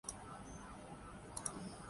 سے سید نور کو ان دیکھے